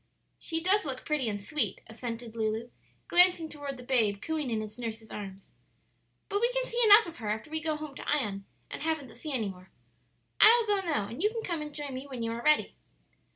"She does look pretty and sweet," assented Lulu, glancing toward the babe, cooing in its nurse's arms, "but we can see enough of her after we go home to Ion, and haven't the sea any more. I'll go now, and you can come and join me when you are ready."